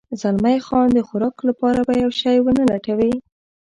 زلمی خان د خوراک لپاره به یو شی و نه لټوې؟